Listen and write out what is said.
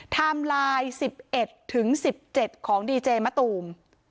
ไทม์ไลน์๑๑๑๑๗ของดีเจมะตูม